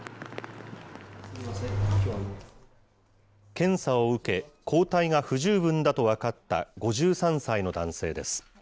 検査を受け、抗体が不十分だと分かった５３歳の男性です。